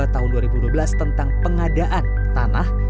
tahun dua ribu dua belas tentang pengadaan tanah